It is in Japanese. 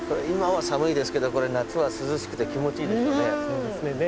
今は寒いですけどこれ夏は涼しくて気持ちいいでしょうね。